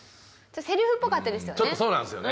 セリフっぽかったですよね。